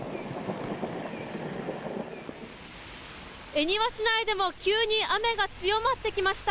恵庭市内でも急に雨が強まってきました。